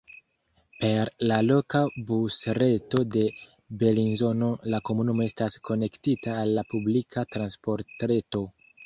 Per la loka busreto de Belinzono la komunumo estas konektita al la publika transportreto.